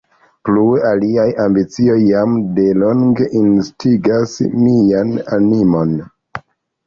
Plue, aliaj ambicioj jam de longe instigas mian animon.